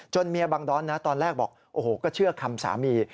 เมียบางด้อนนะตอนแรกบอกโอ้โหก็เชื่อคำสามี